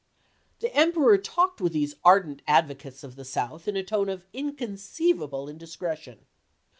The Emperor talked with these ardent advocates of the South in a tone of inconceivable indiscretion.